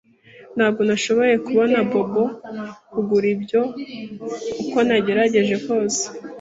Ntabwo nashoboye kubona Bobo kugura ibyo, uko nagerageje kose.